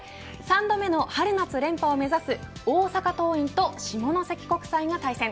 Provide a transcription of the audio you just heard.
３度目の春夏連覇を目指す大阪桐蔭と下関国際が対戦。